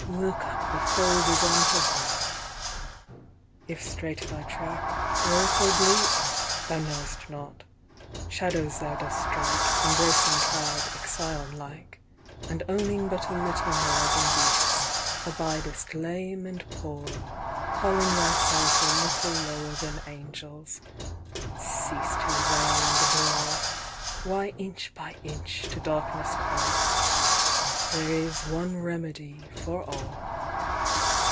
Look up, the fold is on her brow. "If straight thy track, or if oblique, Thou know'st not. Shadows thou dost strike, Embracing cloud, Ixion like; "And owning but a little more Than beasts, abidest lame and poor, Calling thyself a little lower "Than angels. Cease to wail and brawl! Why inch by inch to darkness crawl? There is one remedy for all."